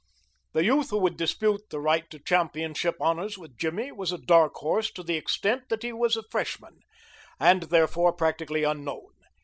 The youth who would dispute the right to championship honors with Jimmy was a dark horse to the extent that he was a freshman, and, therefore, practically unknown.